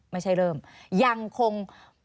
ไม่ใช่เริ่มยังคง